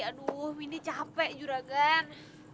aduh mini capek juragan